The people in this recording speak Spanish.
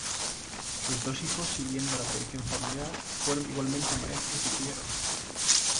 Sus dos hijos siguiendo la tradición familiar fueron igualmente maestros vidrieros.